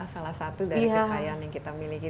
salah satu dari kekayaan yang kita miliki